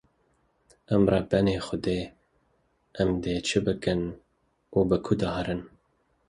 Em rebenê xwedê, em dê çi bikin û bi ku de herin?